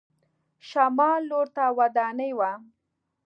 شمال لور ته ودانۍ وه.